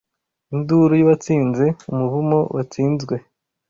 Induru Yuwatsinze, Umuvumo Watsinzwe